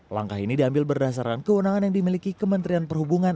langkah ini diambil berdasarkan kewenangan yang dimiliki kementerian perhubungan